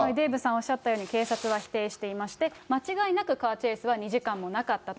おっしゃったように、警察は否定していまして、間違いなくカーチェイスは２時間もなかったと。